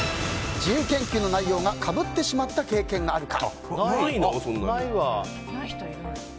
自由研究の内容がかぶってしまった経験があるか。